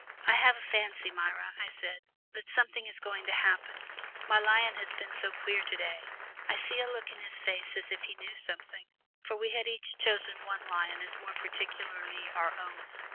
"I have a fancy, Myra," I said, "that something is going to happen. My lion has been so queer to day I see a look on his face as if he knew something." For we had each chosen one lion as more particularly our own.